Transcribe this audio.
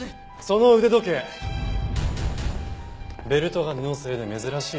その腕時計ベルトが布製で珍しいです。